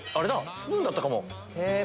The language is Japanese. スプーンだったかも。